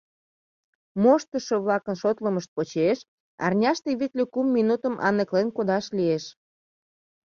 Моштышо-влакын шотлымышт почеш, арняште витле кум минутым аныклен кодаш лиеш.